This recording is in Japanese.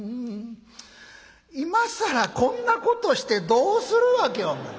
今更こんなことしてどうするわけお前。